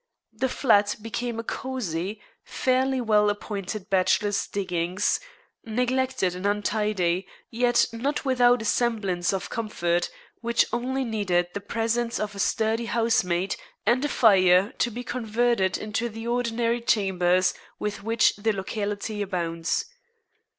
The flat became a cosy, fairly well appointed bachelor's "diggings," neglected and untidy, yet not without a semblance of comfort, which only needed the presence of a sturdy housemaid and a fire to be converted into the ordinary chambers with which the locality abounds.